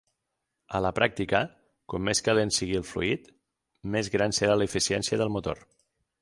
A la pràctica, com més calent sigui el fluid, més gran serà l'eficiència del motor.